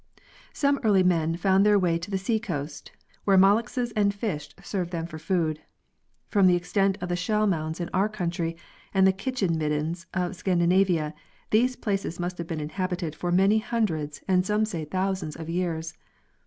Some early men found their way to the gea coast, where mol lusks and fish served them for food. From the extent of the shell mounds in our country and the kitchen middens of Scan dinavia, these places must have been inhabited for many hun dreds and some say thousands of years.